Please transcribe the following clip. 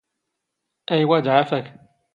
ⴰⵢⵡⴰ ⴷ ⵄⴰⴼⴰ ⴽ.